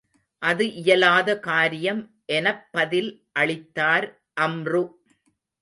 அது இயலாத காரியம் எனப் பதில் அளித்தார் அம்ரு.